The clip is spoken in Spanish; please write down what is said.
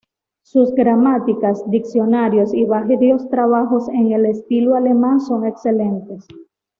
Sus gramáticas, diccionarios y varios trabajos en el estilo alemán son excelentes.